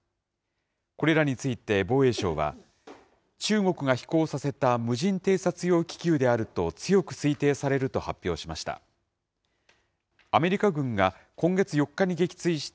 これらについて防衛省は、中国が飛行させた無人偵察用気球であると強く推定されると発表しました。